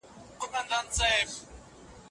منظم ورانوونکی او آنارشیستي نقش ادا کړ.